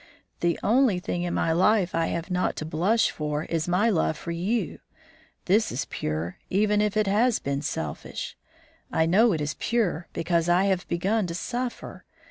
The only thing in my life I have not to blush for is my love for you. This is pure, even if it has been selfish. I know it is pure, because I have begun to suffer.